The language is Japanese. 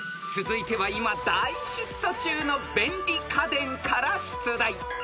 ［続いては今大ヒット中の便利家電から出題］